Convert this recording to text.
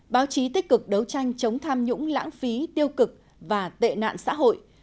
báo chí tích cực đấu tranh chống tham nhũng lãng phí tiêu cực và tệ nạn xã hội